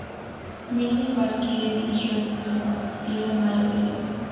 Mili Balákirev dirigió el estreno pieza en mayo de ese año.